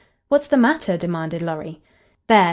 "What's the matter?" demanded Lorry. "There!